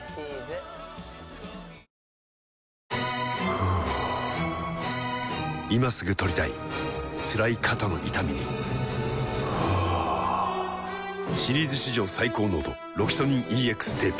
ふぅ今すぐ取りたいつらい肩の痛みにはぁシリーズ史上最高濃度「ロキソニンＥＸテープ」